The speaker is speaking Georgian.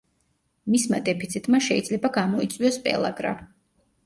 მისმა დეფიციტმა შეიძლება გამოიწვიოს პელაგრა.